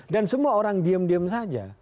dan semua orang diem diem saja